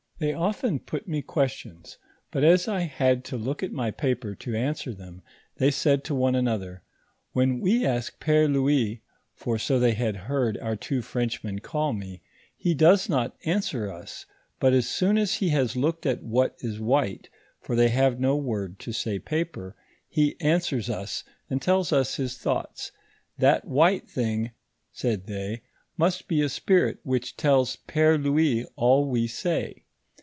They often put mo questions, but as I had to look at my paper, to answer them, they said to one another :" When we ask Fere Louis [tur so they had heard our two Frenchmen call me], he does not answer us ; but as soon as he has looked at what is white [for they have no word to say paper], he answers us, and tells us his thoughts ; that white thing," said they, " must be a spirit which tells Fere Louis all we say."